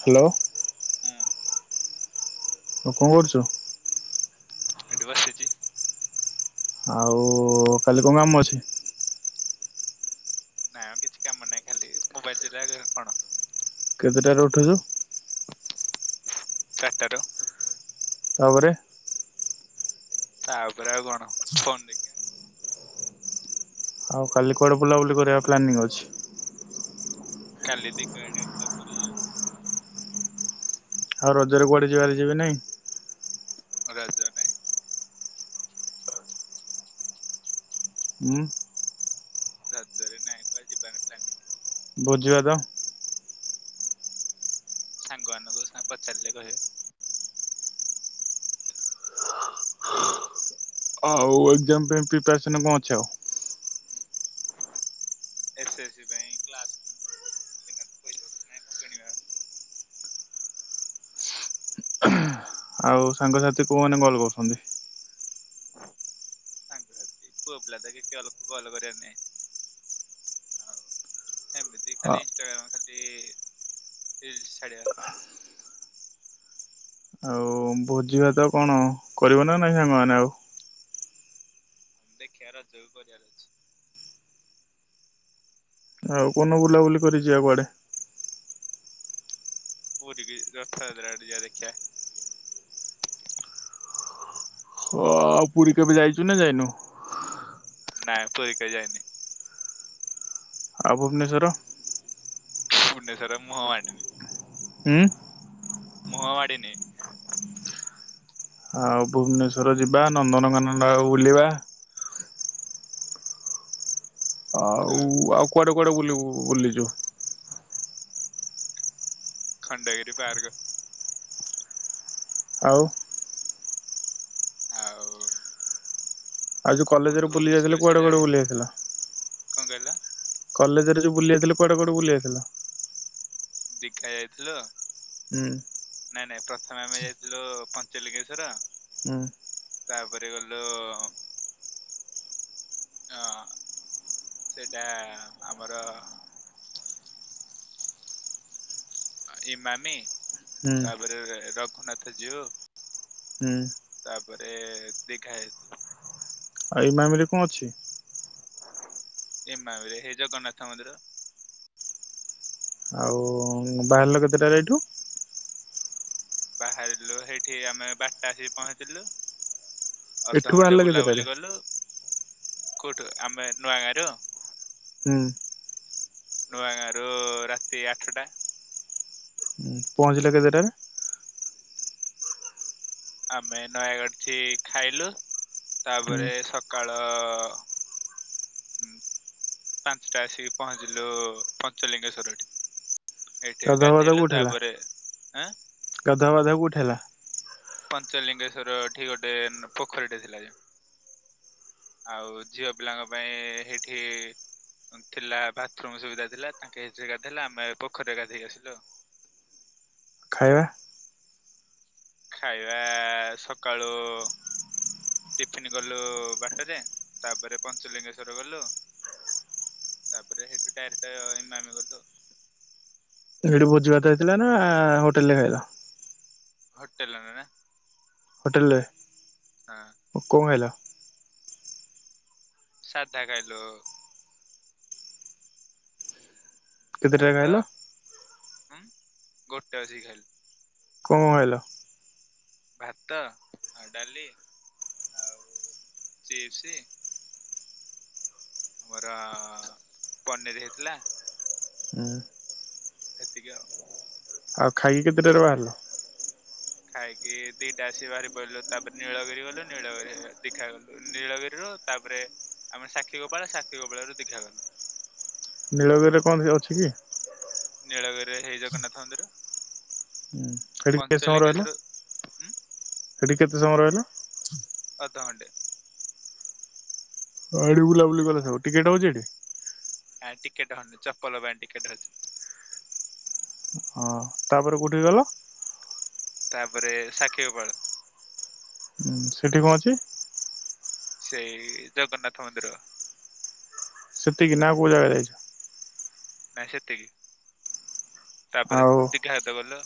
Hello ହୁଁ ଆଉ କଣ କରୁଛୁ? ଏଠି ବସିଛି, ଆଉ କାଲି କଣ କାମ ଅଛି? ନାଇଁ ମୋ ଆଉ କିଛି କାମ ନାହିଁ ଖାଲି ମୋବାଇଲଟା ଯାହା କେତେଟାରେ ଉଠୁଛୁ? ଚାରିଟା ରୁ। ତାପରେ? ତାପରେ ଆଉ କଣ ଫୋନ ଦେଖିବା, ଆଉ କାଲି କୁଆଡ଼େ ବୁଲାବୁଲି କରିବା ପ୍ଲାନିଂ ଅଛି? କାଳି [inaudible] ପୁରୀ ଯାଉଛୁ ଆଉ ରଜ ରେ କୁଆଡେ ଯିବାର ଯିବେ ନାହିଁ? ରଜ ନାଇଁ ହୁଁ ରଜରେ ନାଇଁ ଵା ଯିବାର ପ୍ଲାନିଂ ଭୋଜି ଭାତ? ସାଙ୍ଗ ମାନଙ୍କୁ ପଚାରିଲେ କହିବେ, ଆଉ ଏକଜାମ ପାଇଁ ପ୍ରିପାରେସନ୍ କଣ ଅଛି ଆଉ? ଏସ ଏସ ସି ପାଇଁ କ୍ଲାସ [inaudible] କରିବା ଆଉ ସାଙ୍ଗସାଥି କୋଉମାନେ କଲ କରୁଛନ୍ତି? ସାଙ୍ଗସାଥି ପୁଅ ପିଲା ତ କିଛି ଆଉ କଲ କରିବାର ନାହିଁ।, ଆଉ ଏମିତି ଖାଲି ଇନଷ୍ଟାଗ୍ରାମ ଖାଲି ରିଲସ ଛାଡିବା। ହଉ ଭୋଜି ଭାତ କଣ? କରିବ ନା ନାଇଁ ସାଙ୍ଗମାନେ ଆଉ। ଦେଖିବା ରଜକୁ କରିବାର ଅଛି। ଆଉ କୋଉଦିନ ବୁଲାବୁଲି କରି ଯିବା କୁଆଡେ? ପୁରୀ କି ରଥ ଯାତ୍ରା ଟିକେ ଯିବା ଦେଖିବା। ଅ ପୁରୀ କେବେ ଯାଇଛୁ ନା ଯାଇନୁ? ନାଁ, ପୁରୀ କେଭେ ଯାଇନି। ଆଉ ଭୁବନେଶ୍ୱର? ଭୁବନେଶ୍ୱର ମୋହ ମାଡିଣି। ହୁଁ। ମୁହଁ ମାଡିନି। ଆଉ ଭୁବନେଶ୍ଵର ଯିବା ନନ୍ଦନକାନନ ଆଉ ବୁଲିବା। ଆଉ ଆଉ କୁଆଡେ? କୁଆଡେ ବୁଲିବୁ, ବୁଲି ଯିବୁ? ଖଣ୍ଡଗିରି ପାର୍କ। ଆଉ। ଆଉ। ଆଉ ଯଉ ମୁଁ ତ କଲେଜରେ ବୁଲି ଭୁବନେଶ୍ୱର ଯାଇଥିଲ, ବିଷୟରେ କୁଆଡେ କୁଆଡେ ଜାଣିନି ବୁଲି ଆଉ। ଯାଇଥିଲ? କଣ କହିଲ? କଲେଜରେ ଯଉ ବୁଲି ଯାଇଥିଲ, କୁଆଡେ କୁଆଡେ ବୁଲି ଯାଇଥିଲ? ଦେଖା ଯାଇଥିଲ। ହୁଁ। ନାଇଁ ନାଇଁ ପ୍ରଥମେ ଆମେ ଯାଇଥିଲୁ ପଞ୍ଚଲିଙ୍ଗେଶ୍ଵର। ହୁଁ। ତାପରେ ଗଲୁ ଅ ସେଟା ଆମର ଅ ଇମାମି। ହୁଁ ତାପରେ ର ଖନାଥ ଯିବ। ହୁଁ। ବରେ ଦେଖାଏ। ଆଉ ଇମାମିରେ କଣ ଅଛି? ଇମାମରେ ହେଇ ଜଗନ୍ନାଥ ମନ୍ଦିର। ଆଉ ବାହାରିଲ କେତେଟାରେ ଏଠୁ? ବାହାରିଲୁ ହେଇଠି ଆମେ ବାରଟା ଏଇ ପହଞ୍ଚିଲୁ। ଏଠୁ ଅଧଘଣ୍ଟେ ବାହାରିଲ କେତେଟାରେ? ବୁଲାବୁଲି କଲୁ। କଉଠୁ ଆମେ ନୂଆ ଗାଁ ରୁ? ହୁଁ। ନୂଆ ଗାଁରୁ ରାତି ଆଠଟା। ଉ ପହଁଞ୍ଚିଲ କେତେଟାରେ? ଆମେ ନୟାଗଡ ଠି ଖାଇଲୁ। ହୁଁ ତାପରେ ସକାଳ ତ ହୁଁ। ପାଞ୍ଚଟା ଆସିକି ପହଞ୍ଚିଲୁ ପଞ୍ଚଲିଙ୍ଗେଶ୍ଵରଟି। ଗାଧବାଧ କୋଉଠି ହେଲା? ଆଁ ଗାଧୁଆ ପାଧୁଆ କୋଉଠି ହେଲା? ପଞ୍ଚଲିଙ୍ଗେଶ୍ଵର ଠି ଗୋଟେ ପୋଖରୀଟେ ଥିଲା। ଆଉ ଝିଅ ପିଲାଙ୍କ ପାଇଁ ଏ ଏଇଠି ଥିଲା ବାଥରୁମ ସୁବିଧା ଥିଲା। ତାଙ୍କେ ସେଇ ଗାଧେଇଲେ। ଆମେ ପୋଖରୀରେ ଗାଧୋଇ ଆସିଲୁ ଆଉ। ଖାଇବା? ଖାଇବା ସକାଳୁ ଟିଫନ୍ ଗଲୁ ବାଟରେ। ତାପରେ ପଞ୍ଚଲିଙ୍ଗେଶ୍ଵର ଗଲୁ। ତାପରେ ସେଠୁ ଡାଇରେକ୍ଟ ଇମାମି ଗଲୁ। ସେଠି ଭୋଜି ଭାତ ହେଇଥିଲା ନା ଆ ହୋଟେଲରେ ଖାଇଲ? ହୋଟେଲନ ନା ହୋଟେଲରେ ହଁ କଣ ଖାଇଲ। ସାଧା ଖାଇଲୁ। କେତେଟାରେ ଭାତ ଖାଇଲ? ହଁ। ଗୋଟେ ଅଛି ଖାଇଲ କଣ ଖାଇଲ? ଭାତ, ଆଉ ଡାଲି, ଆଉ ଚିପ୍ସ ଆମର ପନିର ହେଇଥିଲା। ହୁଁ। ହେତିକି ଆଉ। ଆଉ ଖାଇକି କେତେଟାରେ ବାହାରିଲ। ଖାଇକି ଦିଟା ଆସ ବାହାରି ପଡିଲୁ ତାପରେ ନୀଳଗିରି ଗଲୁ ନୀଳଗିରି ଦିଖା ଗଲୁ ନୀଳଗିରିରୁ ତାପରେ ଆମେ ସାକ୍ଷୀ ଗୋପାଳ ସାକ୍ଷୀ ଗୋପାଳ ରରୁ ଦିଘାଗଲୁ। ନୀଳଗିରିରେ କଣ ଅଛି କି? ନୀଳଗିରିରେ ହେଇ ଜଗନ୍ନାଥ ମନ୍ଦିର। ହଁ ସେଠ କେତେ ସମୟ ରହିଲା ପଞ୍ଚଲିଙ୍ଗେଶ୍ଵର ଉଁ ସେଠିକ କେତେ ସମୟ ରହିଲ? ଅଧଘଣ୍ଟେ ଆଡ ବୁଲାବୁଲି କଲେ ସବ ଟିକେଟ ହଉଛି ଏଠି। ହଁ ଟିକେଟ ହନ ଚପ୍ପଲ ବ ଟିକେଟ ହଛି। ହଁ ତାପରେ କେଉଁଠିକି ଗଲ? ତାପରେ ସାକ୍ଷୀ ଗୋପାଳ। ହୁଁ ସେଠି କଣ ଅଛି? ସେଇ ଜଗନ୍ନାଥ ମନ୍ଦିର। ସେତିକି ନା କୋଉ ଜାଗା ଯାଇଛ? ନାଇ ସେତିକି। ତାପରେ ଆଉ ଦୀଘା ହଦ ବଲ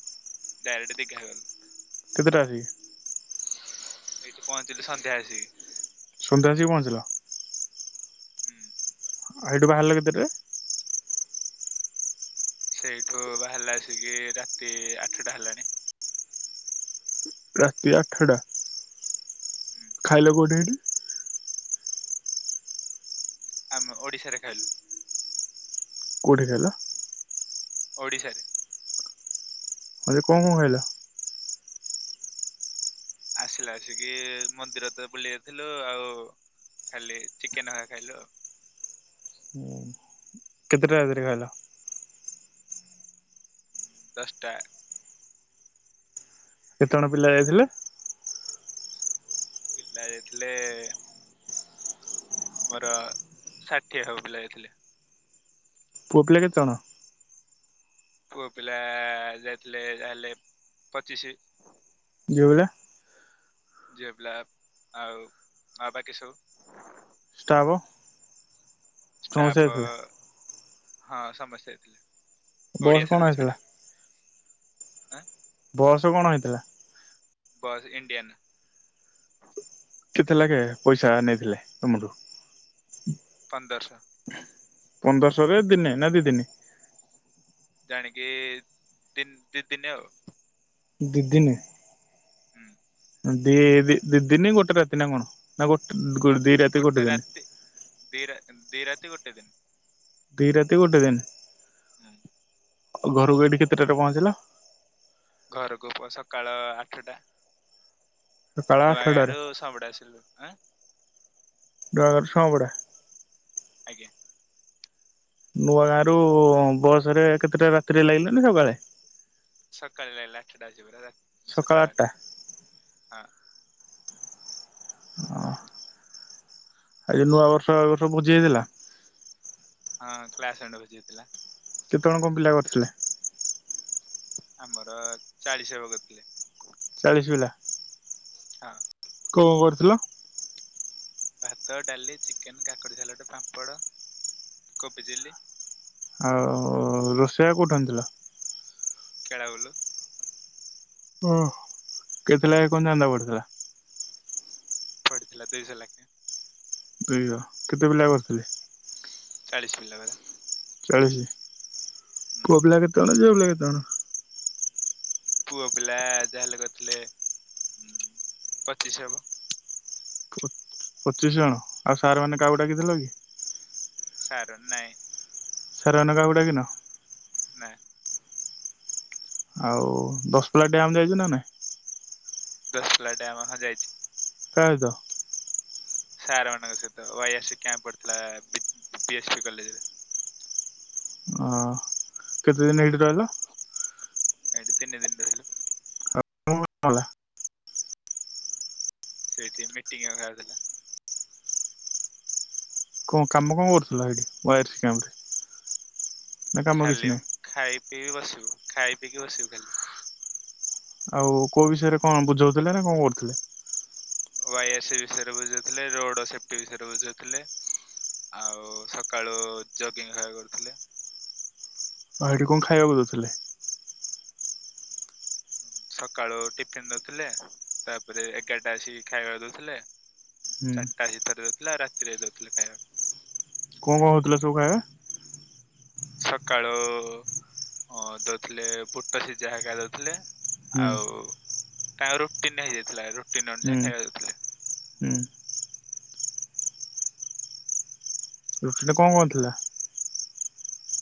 ଡାଇରେଟ ଦିଖା ହେ କେଧଟାଛି ଏଇଠି ପହଞ୍ଚିଲୁ ସନ୍ଧ୍ୟା ଆସି ସନ୍ଧ୍ୟା ଆସିକି ପହଞ୍ଚିଲ। ହୁଁ। ଅ ଏଠୁ ବାହାରିଲ କେତେଟା ରେ? ସେଇଠୁ ବାହାରିଲା ଆସିକି ରାତି ଆଠଟା ହେଲାଣି। ରାତି ଆଠଟା ହୁଁ ଖାଇଲ କୋଉଠି ଏଠି? ଆମେ ଓଡିଶାରେ ଖାଇଲୁ। କେଉଁଠି ଖାଇଲ? ଓଡ଼ିଶାରେ। ଆରେ କଣ କଣ ଖାଇଲ? ଆସିଲା ଆସିକି ମନ୍ଦିର ତ ବୁଲି ଯାଇଥିଲୁ ଆଉ ଖାଲି ଚିକେନ ଖା ଖାଇଲୁ ଆଉ। କେତେଟା ରାତିରେ ଖାଇଲ? ଦଶଟା। କେତେ ଜଣ ପିଲା ଯାଇଥିଲେ? ପିଲା ଯାଇଥିଲେ ଆମର ଷାଠିଏ ହବ ପିଲା ଯାଇଥିଲେ। ପୁଅ ପିଲା କେତେ ଜଣ? ପୁଅ ପିଲା ଯାଇଥିଲେ ଯାହା ହେଲେ ପଚିଶି ଝୁଅ ପିଲା? ଝିଅ ପିଲା ଆଉ ଆଉ ବାକି ସବୁ ହବ ଷ୍ଟାପ ଅ ହଁ ସମସ୍ତେ ଯାଇଥିଲେ। ବସ୍ ଓଡିଆ କଣ ସାରଙ୍କୁ ହେଇଥିଲା ଛାଡିକି। ଆଁ ବସ କଣ ହେଇଥିଲା? Bus Indian. କେତେ ଲାଗେ ପଇସା ନେଇଥିଲେ ତମଠୁ? ପନ୍ଦରଶହ ରେ ଦିନେ ନା ଦି ଦିନି? ଜାଣିକି ତି ଦି ଦିନି ଆଉ। ଦି ଦିନି ହୁଁ ଆଉ ଦି ଦି ଦିନି ଗୋଟେ ରାତି ନା କଣ? ନା ଗୋଟ ଦି ରାତି ଗୋଟେ ଦିନି? ତି ଗୋଟେ ଦିନି। ଦୁଇ ରାତି ଗୋଟେ ଦିନି? ହୁଁ ଘରୁକୁ ଏଇଠି କେତେଟାରେ ପହଁଞ୍ଚିଲ? ଘରକୁ ପ ସକାଳ ଆଠଟା। ସକାଳ ନୂଆ ଆଠଟାରେ ଗାଁରୁ ସଁବଡ ଆସିଲୁ। ଆଁ ଗ ସଁବଡ଼ା ଆଜ୍ଞା ନୂଆ ଗାଁ ରୁ ବସ ରେ କେତେଟା ରାତିରେ ଲାଗିଲା ନା ସକାଳେ? ସକାଳେ ଲାଗିଲା ଆଠଟା ବାଜି ପୁରା ରା ସକାଳେ ଆଠଟା ହଁ ହଁ ଆଉ ଯୋଉ ନୂଆ ବର୍ଷ ଆଗ ସବୁ ଭୋଜିି ହେଇଥିଲା? ହଁ କ୍ଲାସ ଅଣ୍ଡ ଭୋଜି ହେଇଥିଲା। କେତେ ଜଣ କଣ ପିଲା କରିଥିଲେ? ଆମର ଚାଳିଶି ଜଣ କରିଥିଲେ। ଚାଳିଶି ପିଲା ହଁ କଣ କରିଥିଲ? ଭାତ ଡାଲି ଚିକେନ କାକଡ଼ି ସାଲଡ ପାମ୍ପଡ଼ କୋବି ଚିଲ୍ଲି। ଆଉ ରୋଷେଇଆା କୋଉଠୁ ଆଣିଥିଲ? କେଳଉଲୁ ଓ କେତେଲାଖେ କଣ ଚାନ୍ଦା ପଡିଥିଲା? ପଡ଼ିଥିଲା ଦୁଇଶହ ଲାକେ। ବେୟ କେତେ ପିଲା କରିଥିଲ? ଚାଳିଶ ପିଲା ଭଳିଆ। ଚାଳିଶି ପୁଅ ପିଲା କେତେଜଣ ଯେ ଭ କେତେଣ [inaudible] ପୁଅ ପିଲା ଯାହାହେଲେ କରିଥିଲେ ଉଁ ପଚିଶ ହବ। ପଚିଶ ଜଣ? ଆଉ ସାର ମାନେ କାହାକୁ ଡାକି ଥିଲ କି? ସାର ନାଇଁ। ସାର୍ ମାନଂକୁ କାହାକୁ ଡ଼ାକିକିନ? ନାହଁ। ଆଉ ଦଶପଲ୍ଲା ଡ୍ୟାମ୍ ଯାଇଚୁ ନା ନାହିଁ? ଦଶପଲ୍ଲା ଡାମ ହଁ ଯାଇଛି। କା ସହିତ? ସାରମାନଙ୍କ ସହିତ ୱାଇ ଆର୍ ସି କ୍ୟାମ୍ପ ପଡିଥିଲା ବି ଏସ୍ ପି କଲେଜରେ। ଅ କେତେଦିନ ଏଇଠି ରହିଲ? ଏଠି ତିନି ଦିନ ରହିଲୁ। [inaudible] ସେଇଠି ମିଟିଙ୍ଗ ଅ ହାର୍ ଥିଲା। କଣ କାମ କଣ କରୁଥିଲ ସେଇଠି ଓ ୱାଇ ଆର ସି କ୍ୟାମ୍ପ ରେ? ଖାଲି ଖାଇ ପିଇ ବସିବୁ। ଖାଇ ପିକି ବସିବୁ ଖାଲି। ଆଉ କଉ ବିଷୟରେ କଣ ବୁଝଉଥିଲେ ନା କଣ କରୁଥିଲେ? ୱାଇ ଆର୍ ସି ବିଷୟରେ ବୁଝଉଥିଲେ। ରୋଡ ସେଫଟି ବିଷୟରେ ବୁଝଉଥିଲେ ଆଉ ସକାଳୁ ଜଗିଙ୍ଗ୍ ଆ କରୁଥିଲେ। ଆ ଏଇଠି କଣ ଖାଇବାକୁ ଦଉଥିଲେ? ସକାଳୁ ଟିଫିନ ଦଉଥିଲେ। ତାପରେ ଏଗାରଟା ଆସିିକି ଖାଇବାକୁ ଦଉଥିଲେ। ହୁଁ। ଚାରଟା ହେଇ ତର ଥିଲା। ରାତିରେ ଦଉଥିଲେ ଖାଇବାକୁ। କଣ କଣ ହେଉଥିଲେ ସବୁ ଖାଇବା? ସକାଳୁ ଅ ଦଉଥିଲେ ବୁଟ ସିଝା ହେକା ଦଉଥିଲେ। ହୁଁ ଆଉ। ତା ରୁଟିନ ଟା ହେଇଯାଇଥିଲା। ରୁ ତିନ୍ ଜଣ ହୁଁ ଯାଏ ଖାଇବାକୁ ଦଉଥିଲେ। ହୁଁ। ରୁଟିଟା କଣ କଣ ଥିଲା?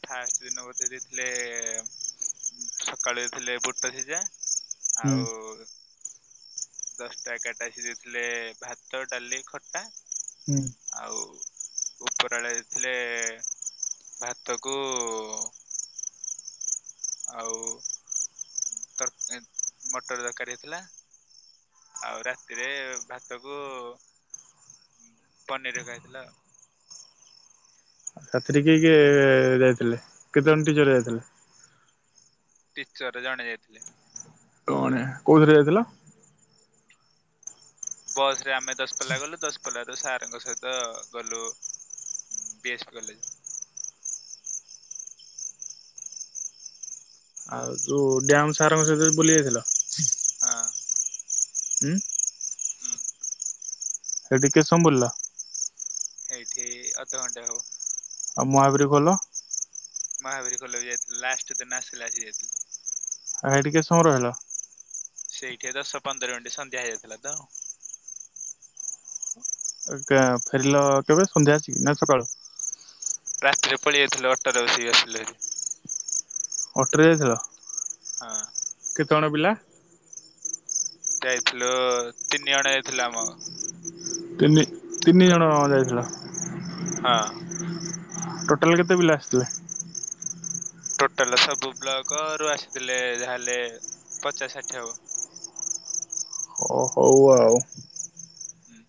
ଫାଷ୍ଟ ଦିନ ଗୋଟେ ଦେଇଥିଲେ ସକାଳେ ଦେଇଥିଲେ ବୁଟ ସିଝା। ହୁଁ ଆଉ। ଦଶଟା, ଏଗାରଟା ଆସି ଦେଇଥିଲେ ଭାତ, ଡାଲି, ଖଟା। ହୁଁ। ଆଉ। ଉପର ଆଳେ ଦେଇ ଥିଲେ ଭାତ୍ ତକୁ ଆଉ ତରକା ମଟର ତରକାରୀ ହେଇଥିଲା। ଆଉ ରାତିରେ ଭାତ କୁ ପନିର ଦରକାର ହେଇଥିଲା। ରାତିରେ କିଏ କିଏ ଯାଇଥିଲେ? କେତେଜଣ ଟିଚର ଯାଇଥିଲେ। ଟିଚରରେ ଜଣେ ଯାଇଥିଲେ। ଆ କୋଉଥିରେ ଯାଇଥିଲ? ବସ ରେ ଆମେ ଦଶ ପଲ୍ଲା ଗଲୁ। ଦଶପଲ୍ଲାରୁ ସାରଙ୍କ ସହିତ ଗଲୁ ବି ଏସ୍ କଲେଜ। ଆଉ ଯଉ ଡ୍ୟାମ ସାର୍ଙ୍କ ସହିତ ବୁଲି ଯାଇଥିଲ। ହଁ। ହୁ। ହୁଁ। ଏ ଟି କେତେ ସମୟ ବୁଲିଲ। ଏଇଠି ଅଧଘଣ୍ଟା ହବ। ଆଉ ମହାବୀର ଗଲ। ମହାବୀର ଖୋଲ ବି ଯାଇଥିଲା ଲାଷ୍ଟ ତ ନାସିଲା ଆସି ଯାଇଥିଲେ। ଆଇ ଟିକେ ସମୟ ରହିଲ? ସେଇଠି ଦଶ ପନ୍ଦର ମିନିଟ ସନ୍ଧ୍ୟା ହେଇଯାଇଥିଲା ତ। ଫେରିଲ କେବେ ସନ୍ଧ୍ୟା ଆସିକି ନା ସକାଳୁ ରାତିରେ ପଳେଇ ଯାଇଥିଲୁ ଅଟୋରେ ବସିକ ଆସିଲୁ ଏ। ଅଟୋରେ ଯାଇଥିଲ। ହଁ। କେତେଜଣ ପିଲା? ଯାଇଥିଲୁ ତିନି ଜଣ ଯାଇଥିଲା ଆମ ତିନେ ତିନି କ- ଜଣ ଜାଇଥିଲ। ହଁ। ଟୋଟାଲ କେତେ ପିଲା ଆସିଥିଲେ? ଟୋଟାଲ ସବୁ ବ୍ଲକ ରୁ ଆସିଥିଲେ ଯାହାେଲେ ପଚାଶ ଷାଠିଏ ହବ। ଓ ହଉ ଆଉ। ହୁଁ।